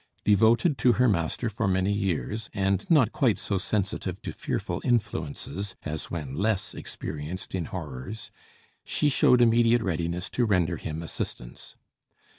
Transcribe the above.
Devoted to her master for many years, and not quite so sensitive to fearful influences as when less experienced in horrors, she showed immediate readiness to render him assistance.